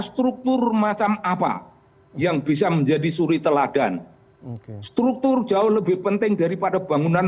struktur macam apa yang bisa menjadi suri teladan struktur jauh lebih penting daripada bangunan